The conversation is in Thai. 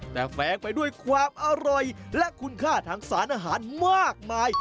แต่แฟ้งไปด้วยความอร่อยและคุณค่าทางสารอาหารมากมาย